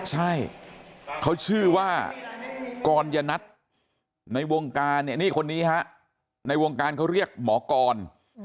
ใช่เขาชื่อว่ากรยนัทในวงการเนี่ยนี่คนนี้ฮะในวงการเขาเรียกหมอกร